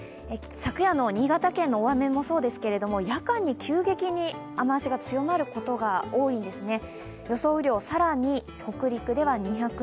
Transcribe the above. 昨夜の新潟県の大雨もそうですけれども、夜間に急激に雨足が強まることが多いんですね。